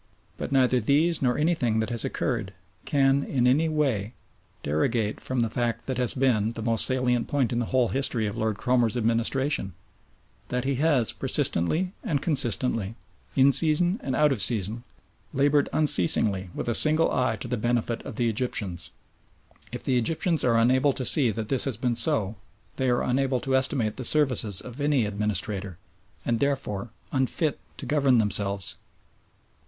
But neither these nor anything that has occurred can in any way derogate from the fact that has been the most salient point in the whole history of Lord Cromer's administration that he has persistently and consistently, in season and out of season, laboured unceasingly with a single eye to the benefit of the Egyptians. If the Egyptians are unable to see that this has been so, they are unable to estimate the services of any administrator, and therefore unfit to govern themselves.